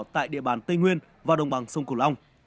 tại địa bàn tây nguyên và đồng bằng sông cửu long